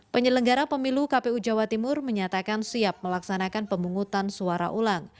penyelenggara pemilu kpu jawa timur menyatakan siap melaksanakan pemungutan suara ulang